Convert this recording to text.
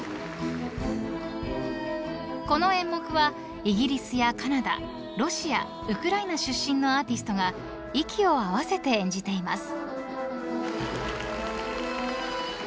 ［この演目はイギリスやカナダロシアウクライナ出身のアーティストが息を合わせて演じています］